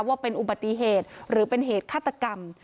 ว่าเป็นอุบัติเหตุหรือเป็นเหตุฆาตกรรม